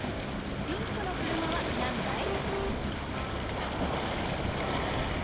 ピンクの車はなんだい？